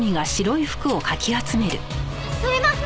すいません